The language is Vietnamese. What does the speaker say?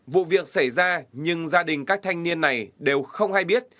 vụ việc xảy ra nhưng gia đình các thanh niên này đều không hay biết